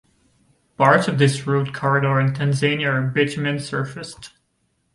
Parts of this route corridor in Tanzania are bitumen surfaced.